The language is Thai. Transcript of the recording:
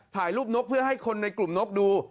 ถ่ายรูปนกเพื่อให้คนในกลุ่มนกดู